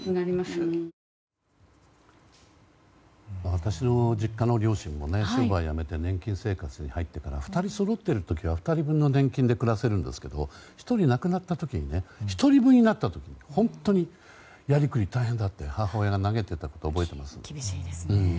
私の実家の両親も仕事を辞めて年金生活に入ってから２人そろってる時は２人分の年金で暮らせるんですけど１人、亡くなって１人分になったときに本当にやりくりが大変だって母親が嘆いていたのを厳しいですね。